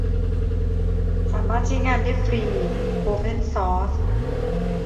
สามารถใช้งานได้ฟรี โอเพนซอร์ส